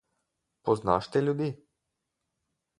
Poznaš te ljudi?